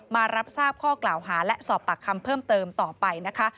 มารับทราบข้อกล่าวหาและสอบปากคำเพิ่มเติมต่อไปนะคะ